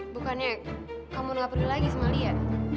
bukannya kamu gak perlu lagi sama lia